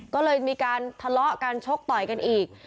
ก็เลยมีการทะเลาะกันชกต่อยกันอีก